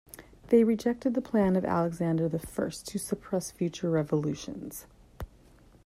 They rejected the plan of Alexander the First to suppress future revolutions.